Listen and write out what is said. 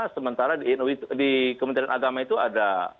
sementara di kementerian agama itu ada